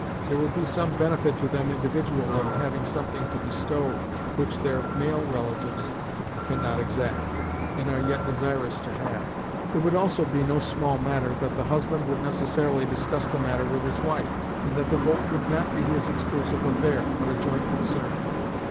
There would be some benefit to them individually in having something to bestow which their male relatives can not exact, and are yet desirous to have. It would also be no small matter that the husband would necessarily discuss the matter with his wife, and that the vote would not be his exclusive affair, but a joint concern.